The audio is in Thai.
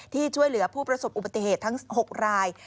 ที่ช่วยเหลือผู้ประสบอุบัติเหตุทั้ง๖ราย